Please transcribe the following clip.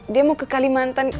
dia mau ke kalimantan